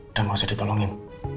udah gak usah ditolongin